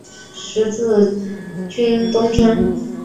十字军东征。